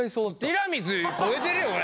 ティラミス超えてるよ